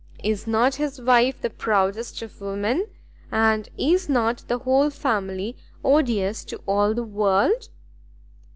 Is not his wife the proudest of women? And is not the whole family odious to all the world?"